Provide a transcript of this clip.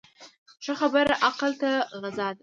ښه خبره عقل ته غذا ده.